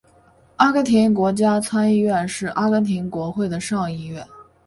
阿根廷国家参议院是阿根廷国会的上议院。